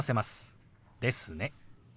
「ですね」。